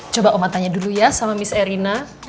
coba oma tanya dulu sama miss ereina